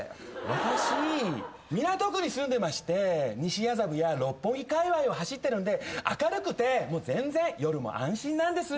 私港区に住んでまして西麻布や六本木かいわいを走ってるんで明るくて全然夜も安心なんです。